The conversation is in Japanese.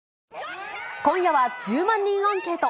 今夜は１０万人アンケート！